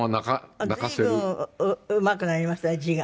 随分うまくなりましたね字が。